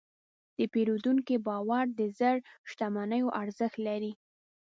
د پیرودونکي باور د زر شتمنیو ارزښت لري.